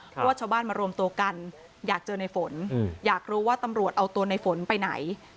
เพราะว่าชาวบ้านมารวมตัวกันอยากเจอในฝนอยากรู้ว่าตำรวจเอาตัวในฝนไปไหน